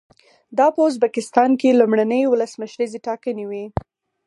دا په ازبکستان کې لومړنۍ ولسمشریزې ټاکنې وې.